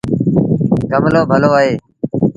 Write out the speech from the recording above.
گملو ڀلو اهي۔